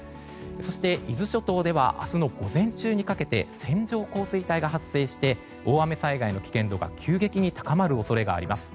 そして、伊豆諸島では明日の午前中にかけて線状降水帯が発生して大雨災害の危険度が急激に高まる恐れがあります。